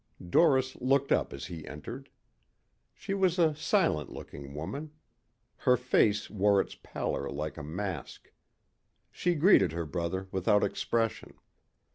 ... Doris looked up as he entered. She was a silent looking woman. Her face wore its pallor like a mask. She greeted her brother without expression.